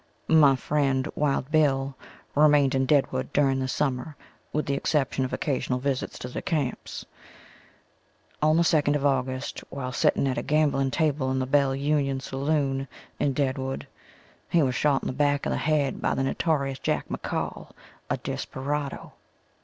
My friend, Wild Bill, remained in Deadwood during the summer with the exception of occasional visits to the camps. On the 2nd of August, while setting at a gambling table in the Bell Union saloon, in Deadwood, he was shot in the back of the head by the notorious Jack McCall, a desperado.